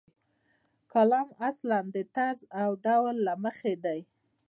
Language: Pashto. کالم اصلاً د طرز یا ډول له مخې هغه دی.